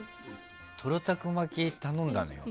トロたく巻き頼んだのよ。